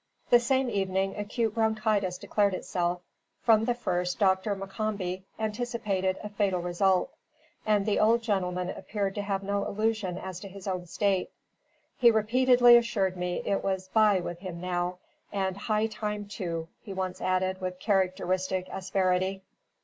The same evening acute bronchitis declared itself; from the first, Dr. M'Combie anticipated a fatal result, and the old gentleman appeared to have no illusion as to his own state. He repeatedly assured me it was 'by' with him now; 'and high time, too,' he once added with characteristic asperity.